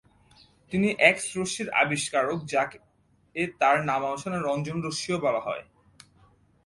তিনি এক্স রশ্মির আবিষ্কারক যাকে তার নামানুসারে রঞ্জন রশ্মিও বলা হয়।